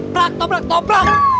prak toprak toprak